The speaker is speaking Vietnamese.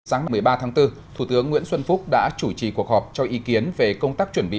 sáng một mươi ba tháng bốn thủ tướng nguyễn xuân phúc đã chủ trì cuộc họp cho ý kiến về công tác chuẩn bị